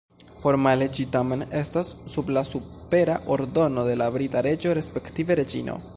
Formale ĝi tamen estas sub la supera ordono de la brita reĝo respektive reĝino.